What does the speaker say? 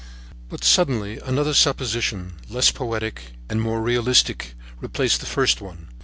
But, suddenly, another supposition, less poetic and more realistic, replaced the first one.